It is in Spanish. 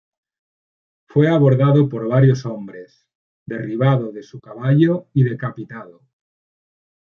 Fue abordado por varios hombres, derribado de su caballo y decapitado.